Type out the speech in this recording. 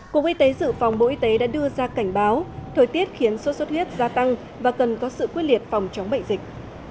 cục y tế dự phòng bộ y tế đã đưa ra cảnh báo thời tiết khiến sốt xuất huyết gia tăng và cần có sự quyết liệt phòng chống bệnh dịch